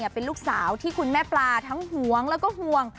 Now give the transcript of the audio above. เป็นลูกสาวที่คุณแม่ปลาทั้งหวงแล้วก็ห่วง